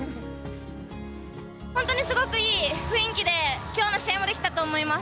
本当にすごくいい雰囲気で、きょうの試合もできたと思います。